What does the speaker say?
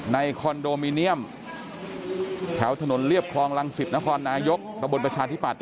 คอนโดมิเนียมแถวถนนเรียบคลองรังสิตนครนายกตะบนประชาธิปัตย